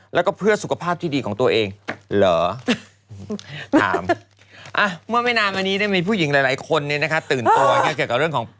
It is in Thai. แล้วก็เพื่อสุขภาพที่ดีของตัวเองเหรอ